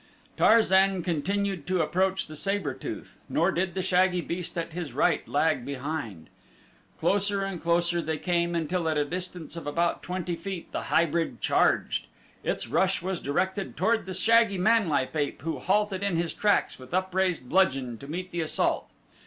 Tarzan continued to approach the saber tooth, nor did the shaggy beast at his right lag behind. Closer and closer they came until at a distance of about twenty feet the hybrid charged. Its rush was directed toward the shaggy manlike ape who halted in his tracks with upraised bludgeon to meet the assault.